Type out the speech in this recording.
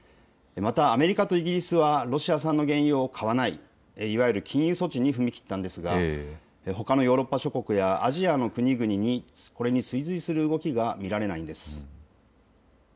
またアメリカとイギリスはロシア産の原油を買わない、いわゆる禁輸措置に踏み切ったんですがほかのヨーロッパ諸国やアジアの国々にこれに追随する動きが見られないんです。